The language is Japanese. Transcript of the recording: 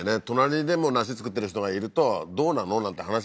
隣でも梨作ってる人がいるとどうなの？なんて